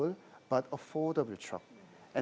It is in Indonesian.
tetapi truk yang berharga